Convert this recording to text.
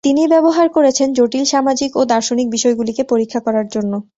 তিনি ব্যবহার করেছেন জটিল সামাজিক ও দার্শনিক বিষয়গুলিকে পরীক্ষা করার জন্য।